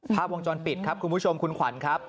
ภาพวงจรปิดครับคุณผู้ชมคุณขวัญครับ